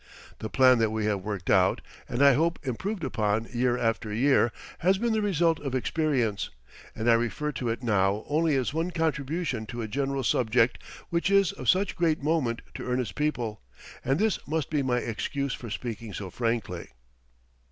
The plan that we have worked out, and I hope improved upon year after year, has been the result of experience, and I refer to it now only as one contribution to a general subject which is of such great moment to earnest people; and this must be my excuse for speaking so frankly.